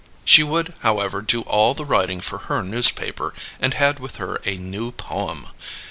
She would, however, do all the writing for her newspaper, and had with her a new poem.